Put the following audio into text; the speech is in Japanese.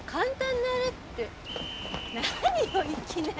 何よいきなり。